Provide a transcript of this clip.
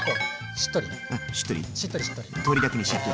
しっとりね。